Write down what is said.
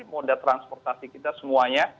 moda transportasi kita semuanya